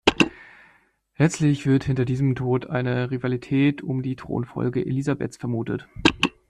Letztlich wird hinter diesem Tod eine Rivalität um die Thronfolge Elisabeths vermutet.